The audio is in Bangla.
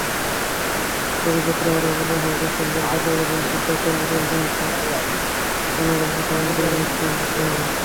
পরিপত্রে আরও বলা হয়, বেসরকারি শিক্ষাপ্রতিষ্ঠানের শিক্ষক-কর্মচারীর সংখ্যা জনবলকাঠামো অনুসারে নির্ধারণ করতে হবে।